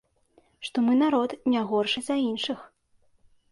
Што мы народ, не горшы за іншых.